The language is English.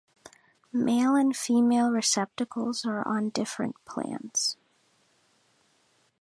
Male and female receptacles are on different plants.